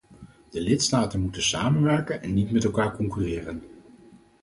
De lidstaten moeten samenwerken en niet met elkaar concurreren.